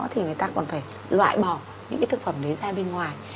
thì người ta còn phải loại bỏ những cái thực phẩm đấy ra bên ngoài